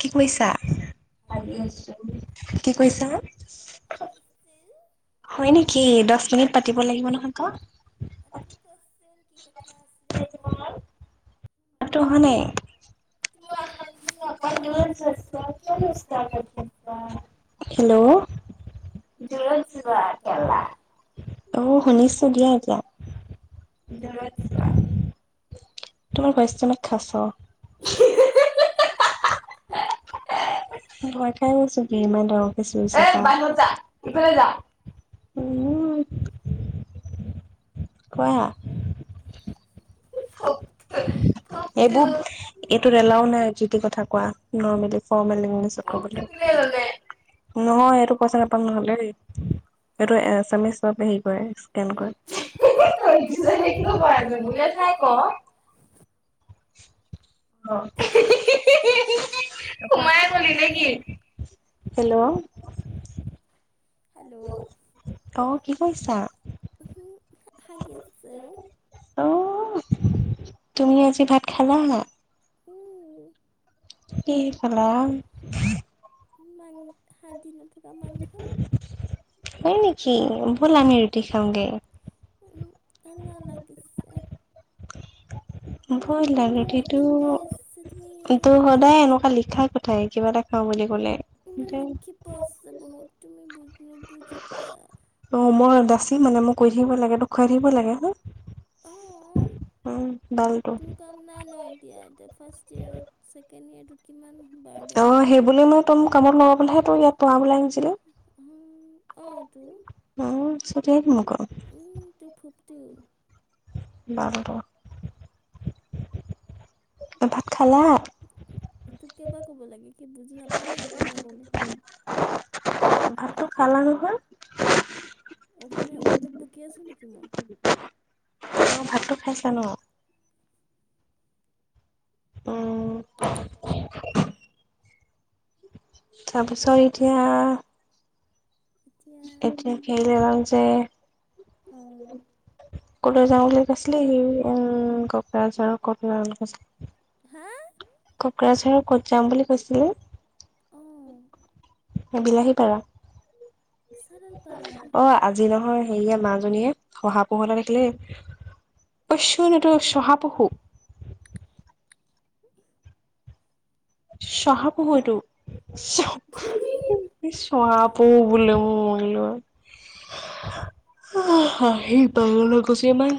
কি কৈছা কি কৈছা? [inaudible] হয় নেকি দহ মিনিট পাতিব লাগিব নহয় ক। তুমি কোৱাচোন কি কথা আছিলে তোমাৰ। মাটো অহা নাই। [unintelligible] হেল্ল'দূৰত যোৱা [unintelligible] অ' শুনিছো দিয়া এতিয়া, দূৰত যোৱা। তোমাৰ ভয়চটো অলপ খেচোৰ। ঘয় খাইছোগৈ কি ইমান ধৰ অ' বানও ইফালে যাৰ উ। কোৱা। [unintelligible] এইবোৰ এইটো এলাও নাই যি টি কথা কোৱা নৰ্মেলি। [unintelligible] নহয় এইটো পইচা নহ'লে এইটো এছামিছ বাবে হেৰি কৰে [inaudible] অ' [unintelligible] সোমাই গলি নে কি হেল্ল' হেল্ল'। অ' কি কৰিছা? [unintelligible] অ' তুমি আজি ভাত খালা? উম। কিহে খালা? মাংস দিনত থকা মাংস। হয় নেকি? বোলা আমি ৰুটি খাওঁগে। উম, ঠাণ্ডা লাগিছে। বৈলা ৰুটিটো তোৰ সদায় এনেকুৱা লিখাই কথা তাই কিবা এটা খাওঁ বুলি ক'লে। ইমান লিখিব আছে, বহুত তুমি বুজ নুবুজিবা। অ' মই দাচি মানে মই কৈ থাকিব লাগে। তোক খোৱাই থাকিব লাগে হা। উম, দলটো। কাম নাই ন এতিয়া এতিয়া ফাৰ্ষ্ট ইয়েৰত ছেকেণ্ড ইয়েৰটোত কিমান বাৰ্ডেন বোলো মই তই মোক কামত লগাবলৈ ইয়াত পঢ়াবলৈ আনিছিলি। উম, অ'তোৰ। অ' [unintelligible] ফোন কৰৰ উম, টো [unintelligible] [unintelligible] অ' ভাত খালা? তোক কৈইবা ক'ব লাগে কি বুজি নাপাওঁ নেকি কেইবা ক'লো। টো খালা নহয়? অসমীয়া উৰ্দুত বকি আছোঁ নেকি মই। অ' ভাতো খাইছা ন। অ'। তাৰপিছত, এতিয়া। এতিয়া খেলি আৰামছে। উম। কলৈ যাওঁ বুলি কৈছিলি হেই এই কোকৰাঝাৰ ক'ত না কৈছিলি। কোকৰাঝাৰৰ ক'ত যাম বুলি কৈছিলি? অ'। বিলাহী পাৰা অ' আজি নহয় হেয়ে মাজনীয়ে শহা পহু এটা দেখিলেই। [unintelligible] চুহাপুহু [inaudible] চহা টো চহাপহু বোলে মই হাঁহিত পাগল হৈ গৈছো ইমান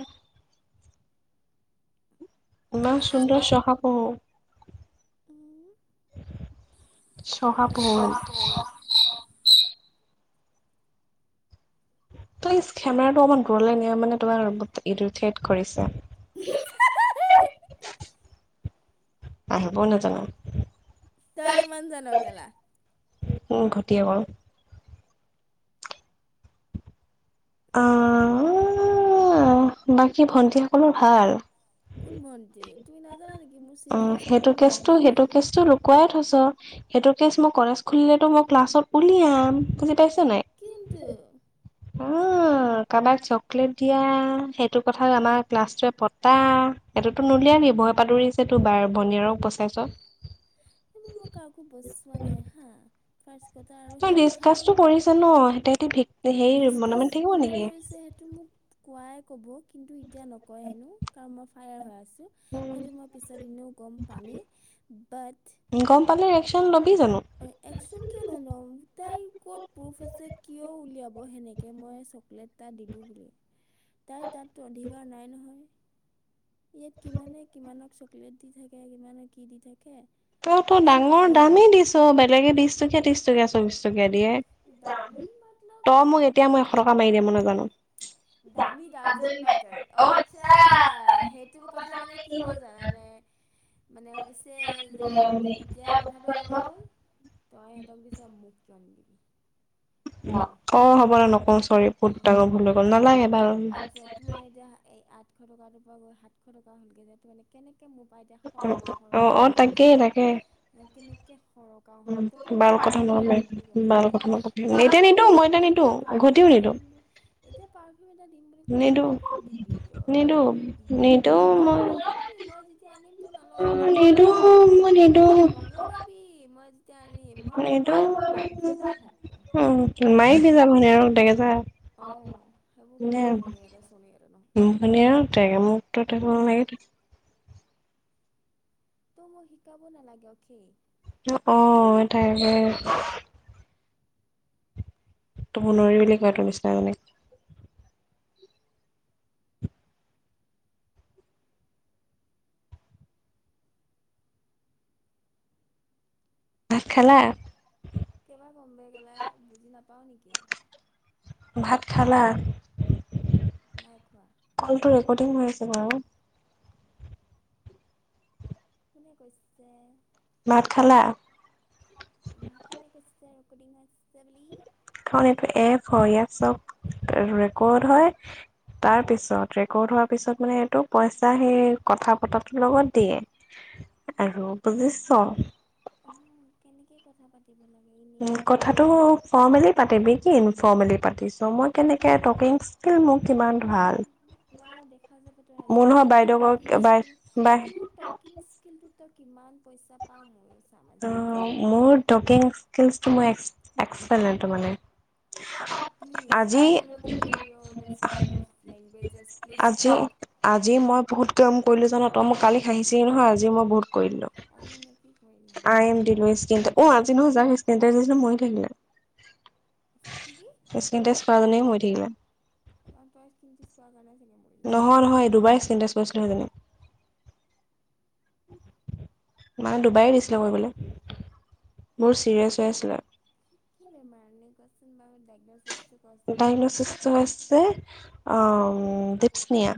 ইমান সুন্দৰ চহাপহু। চহাপহু ত কেমেৰাটো অমান দূৰলে নিয়া মানে তোমাৰ লগ কৰিছে। [inaudible] উম ঘটিয়ে কৰ বাকী ভন্টিসকলৰ ভাল? কোন ভণ্টি তুইি নাজানা নেকি মোৰ চিবলিংছ কোনো নাই কি? কোৱ থৈছ সেইটো কেচ মই কলেজ খুলিলেতো মই ক্লাছত উলিয়াম বুজি পাইছ নাই কিটো কাৰোবাক চকলেট দিয়া সেইটো কথা আমাৰ ক্লাছটোৱে পতা এইটোতো নোলিয় নি ভয় পাদুৰিছে তো বাৰ বনিয়াৰক বস্ত তাৰপিছত এইবোৰ মই কাকো বচোৱা নাই হা ফাৰ্ষ কথা আৰু সেই কথাটো ন সেইতে ভক ডিছকাছ কোনে কৰিছে সেইটো মোক কোৱাই ক'ব কিন্তু এতিয়া নকয় হেনো কাৰণ মই ফায়াৰ হৈ আছোঁ সেইটো মই পিছৰদিনেও গম পামেই বাট গম পালে ৰেকশ্যন ল'বি জানো অ', একচন কিয় নল'ওঁ তাই ক'ত প্ৰুফ আছে কিয় উলিয়াব সেনেকৈ মই চকলেট তটা দিলওঁঁ বুলি তাই তাততো অধিকাৰ নাই নহয়। ইয়াত কিমানে কিমানক চকলেট দি থাকে কিমানে কি দি থাকে তই তো ডাঙৰ দামেই দিছ বেলেগে বিশ টকীয়া ত্ৰিশ টকীয়া চলবিশ টকীয়া দিয়ে তই মোক এতিয়া মই এশ টকা মাৰি দ ম নাজানো দামি ডাজ মেটাৰ অ আচ্ছা সেইটো কথা মানে কি হ'ল জান তানে মানে হৈছে যে মানে এতিয়া কথাটো এনেকুৱা হ'ল তই সিহঁতক দিছ মোক কিয় নিদিবি অ', হ'ব দে নকওঁ চৰি বহুত ডাঙৰ ভুল হৈ গ'ল নালাগে বাৰু [unintelligible] এাতশ টকাটো পৰা গৈ সাতশ টকা হ'লৈ যে ততে মানে কেনেকৈ মোৰ পৰাাই এতিয়া সৰকাও সৰকাও লাগি আছে কেনেকে সৰ গাঁওঁ ঘৰত তইতো মোক পাৰ্ফিউম এটা দিম বুলি কৈছিলি তই তইতো মোক তই পাৰফিউম এটা দিম এতিয়া পাৰ্ফিউম এটা দিম বুলি কৈ'ত দিবি তই তই দিবি ন হব নল মই যেতিয়া আনিম তই নলগা নলগালে হ'ল তই নলগাবি মই তেতিয়া মই লুকুৱাই লুকুৱাই মাৰিমছোঁ চাই হাতকৈ মাৰি দি যাবানে আৰু দে যা উম ধন আৰুটে মোক নাগে তটো মোক শিকাব নালাগে অ' খেই অ', তাকেই [inaudible] ভাত খালা [inaudible] ভাত খালা কলটো ৰেকৰ্ডিং হৈ আছে বাৰু কোনে কৈছে বা কোনে কৈছে চকডিং আছছে বুলিলি এখন এইটো এপ হয় ইয়াত চব ৰেকৰ্ড হয় তাৰপিছত ৰেকৰ্ড হোৱাৰ পিছত মানে এইটো পইচা সেই কথা পতৰাটোৰ লগত দিয়ে। আৰু বুজিছছ। অ' কেনেকে কথা পাতিব লাগে এনেই নয়টোত। ফৰ্মেলি পাতিবি কিনফৰ্মেলি পাতিছো মই কেনেকৈ টকিং স্কিল মোক কিমান ভাল। বাৰু দেখা যাব তো আজিক টকিং স্কিল ত ট কুকিং স্কিলটোত তেওঁই কিমান পইচা পাওঁ মইো চাম মোৰগিং স্ [unintelligible] অ' please I don't want to hear your this kind of languages please stop. আজি মই বহুত কাম কৰিলোঁ জানো তই মই কালি হাঁহিছেি নহয় আজি মই বহুত কৰি দলো। আজি নেকি আই এম দিলো স্কিন অ আজি নহ যা স্কিননা মৰি থাকিলে [unintelligible] [unintelligible] [unintelligible] তেিন তেজ কৰা জনে মৰি থাকিলা [unintelligible] [unintelligible] কাৰণ তই স্িন্োৱা কাৰ নাই চাগে মোৰ [unintelligible] [unintelligible] নহয় নহয় এই দুবাৰ চিন্তা কৰিছিলোহেজনী। মানে ডুবাইয়ে দিছিলে কৰিবলৈ মোৰ চিৰিয়াছ হৈ আছিলে কি বেমাৰনো কোৱাচোন বাৰু দাইলেচিছ ডায়েগনচিছটো হৈছে দি্বপছনিয়া।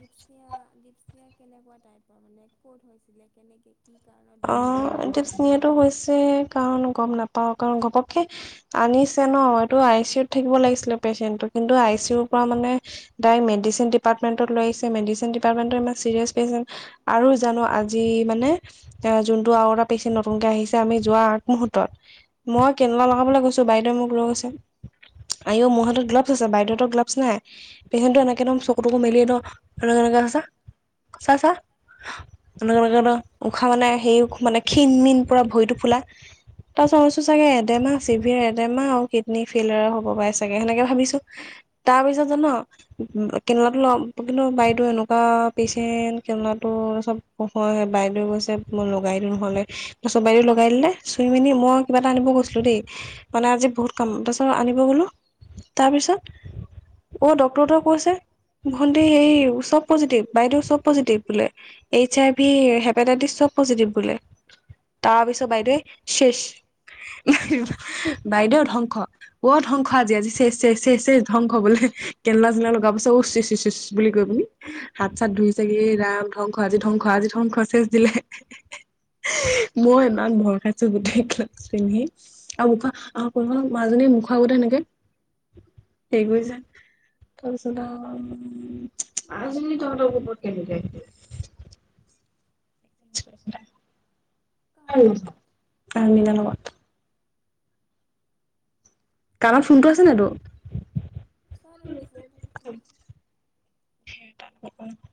দিপচিয়া দিপচিয়া কেনেকুৱা টাইপৰ মানে ক'ত হৈছিলে কেনেকে কি কাৰণত অ' টিপছ নিয়ো হৈছে কাৰণ গম নাপাওঁ কাৰণ গপকে আনিছে ন মইতো আই চি ইউত থাকিব লাগিছিলে পেচেণ্টটো কিন্তু আই চি ইউৰ পৰা মানে তাই মেডিচিন ডিপাৰটেণ্টত লৈ আহিছে মেডচিনি ডিপাৰ্টমেণ্টৰ ইমান চিৰিছ পেচেন্ত আৰু জানো আজি মানে যোনটো আৰু এটা পেচেণ্ট নতুনকে আহিছে আমি যোৱা আগ মুহুৰ্তত মই কেনেলা লগাবলৈ গৈছো বাইদেউ মোক লৈ গৈছে। আইও মোৰ হাতত গ্লাভছ আছে বাইদেউতো গ্লাভছ নাই। পেচেণ্টো এনেকে একদম চকুতকো মেলি তেনেকে আছে চা চা তেনেকে মানে সেই মানে ক্ষীণমীন পোৰা ভৰিটো ফোলা তাৰপাছত চাগে এডেমা চিভিৰ এডেমা আৰু কিডনী ফেইলাৰ হ'ব পাৰে চাগে সেনেকে ভাবিছো তাৰপিছত জান কেন্দুলাটো ল কিন্তু বাইদেউ এনেকুৱা পেচেণ্ট কেন্দুলতো চব অ' হয় বাইদে কৈছেই লগাই দিওঁ নহ'লে তাৰপছত বাইদেউ লগাই দিলে চুই মিনি মই কিবা এটা আন গৈছিলোঁ দেই মানে আজি বহুত কাম তাৰপিছত আনিব গ'লোঁ তাৰপিছত অ' ডক্তৰটোৱে কৈছে ভণ্টি এই চব পজিটিভ বাইদেউ চব পজিটিভ বোলে এইচ আৰ ভি হেপাইটছ চব পজিটিভ বুলি তাৰপিছত বাইদেউ শেষ ল [inaudible] বাইদেউ ধ্বংস ক ধ্বংস আজি আজি শেষ শেষ ধ্বংস বোলে কেন্দুলা জুনে লগাব পছে অ' চিছ চিছ বুলি কৈ পুনি হাত চাত ধুই চাগি ধ্বংস আজি ধ্বংস আজি ধ্বংস আজি শেষ দিলে মই ইমান ভয় খাইছো গোটেই গ্লোভছ পিন্ধি আৰু মুখখণ কোনোব মানুহজনী মুখৰ আগতে এনেকে হেৰি কৰিছে তাৰপিছত উ আজি ত ত কপ কেনেকেই আহিলে। লগত [unintelligible] [unintelligible] চাৰ নছে ক [inaudible] উম, উম [inaudible]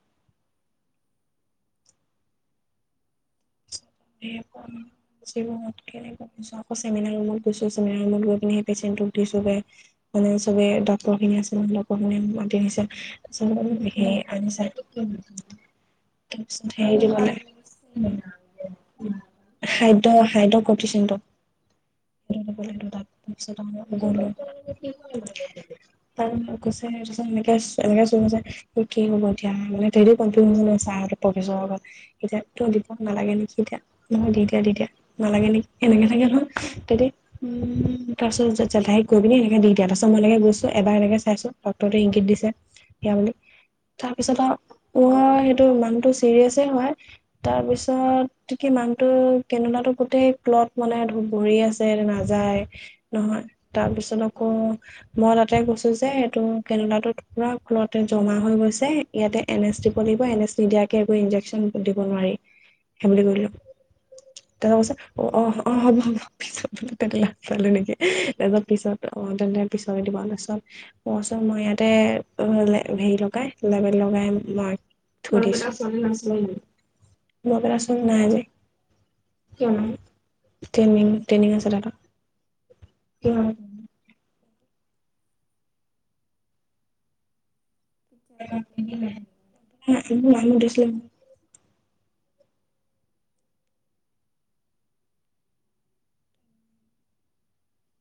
স জীৱনত কেনেুৱা [inaudible] আক চেমিনাৰ ৰুত গোোৰ ৰুত গৈ পি সেইেচেট দিো [unintelligible] [unintelligible] চবে মানে চবে ডাক্তৰ খিনি আছে মান লগৰ মানি মাতি নিছে ে আ কি [inaudible] আমিতো আজিলৈকে চেমিনাৰৰ ৰুমত সোমাই নাপালো গল [inaudible] তাৰ কৈছে এনেকে চুছে কি হ'ব এতিয়া মানে প্ৰফেচৰত এতিয়া দপত নালাগে [unintelligible] [unintelligible] তেতিয়া নহয় দিদিয়া দিদিয়া নালাগে নেকি এনেকে লাগে নহয় তেতি উম তাৰ পিছত জতোহী গৈ পি এনেকে দি দা এটা চ মই এনেকে গৈছো এবাৰ এনেকে চাইছো ডক্টৰটোৱে ইংগিত দিছে বুলি তাৰ পিছত আৰু মোৰ সেইটো মানুহটো চিৰিয়াছে হয় তাৰপিছত গতিকে মানুহটো কেনোলা [unintelligible] গোটেই ক্লট মানে ভৰি আছে নাযায় নহয় তাৰপিছত আকৌ মই তাতে কৈছো যে এইটো কেনেলাটোত পুৰা ফুলতে জমা হৈ গৈছে ইয়াতে এন এছ টি বনিব এন এচ নিদিয়াকৈ একবোৰ ইনজেকশ্যন দিব নোৱাৰি। সে বুলি কৰিলো ত কৈছে অ', অ', অ', হ'ব হ'ব। পিছত লা পালো নেকি তাৰপিছত তে পিছলৈ দিব আৰু পছত কোৱাচোন মই ইয়াতে হেৰি লগাই লেবেল লগাই মই থৈ দিছ, মই পেলচোন [unintelligible] নাইজ টনি টেইনিং তাহাঁতৰ। কিহত যে [unintelligible] এতিয়া পৰা কেইদিন নাথাকিব? হ নাম উঠছিলৌ [unintelligible]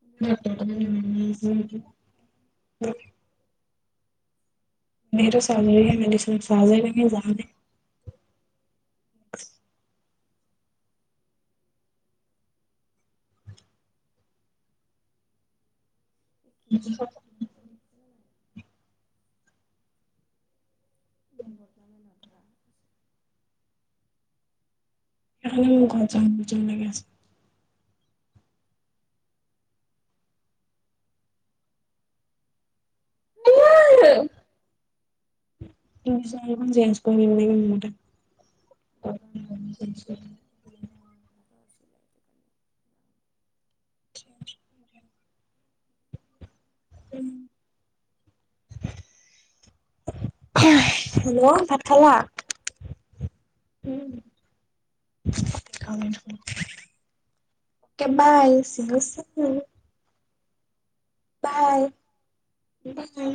কোনটো ডাক্তৰ পৰা এড [unintelligible] নাই মাৰিছে সেইটো নে উ। মে চাজৰি চাৰজৰি [unintelligible] জানে এক কেজি [unintelligible] কম খ প দেেখাল লাগে এনেই বদনামে নধৰা হৈ গৈছে। সেইকাৰণে মোৰ ঘৰত যাম যাম লাগি আছে। ইছমান জেস [unintelligible] আহ ন মতে দোকান আ চেঞ্জ কৰিলেব ঘটো আছিলিল এইটো কাৰণে [inaudible] হেল্ল'। খালা? উম খাল খ [unintelligible] কব আহ চি [unintelligible] বাই বাই।